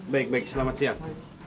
baik baik selamat siang